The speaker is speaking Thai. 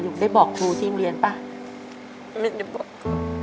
ลูกได้บอกครูที่เรียนป่ะไม่ได้บอกครับ